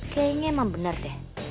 kayaknya emang benar de